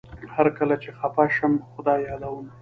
هر کله چي خپه شم خدای يادوم